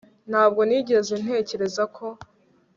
Ntabwo nigeze ntekereza ko